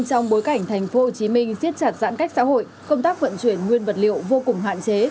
với cảnh thành phố hồ chí minh siết chặt giãn cách xã hội công tác vận chuyển nguyên vật liệu vô cùng hạn chế